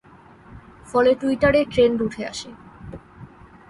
ফলে টুইটারে ট্রেন্ড উঠে আসে।